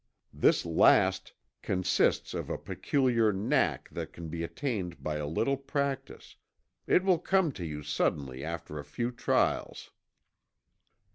This last consists of a peculiar "knack" that can be attained by a little practice it will "come to you" suddenly after a few trials.